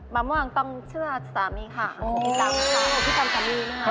อ๋อมะม่วงต้องเชื่อสามีค่ะต้องเชื่อสามีนะคะ